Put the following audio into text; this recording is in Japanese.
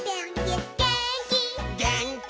「げーんき」